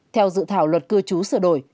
theo dự thảo luật cư trú sửa đổi